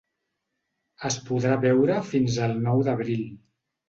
Es podrà veure fins el nou d’abril.